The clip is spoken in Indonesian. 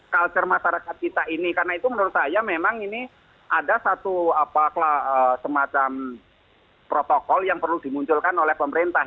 culture masyarakat kita ini karena itu menurut saya memang ini ada satu semacam protokol yang perlu dimunculkan oleh pemerintah